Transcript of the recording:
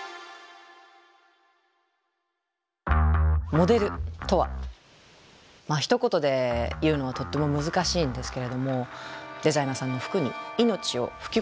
モデルとはまあひと言で言うのはとっても難しいんですけれどもデザイナーさんの服に命を吹き込む。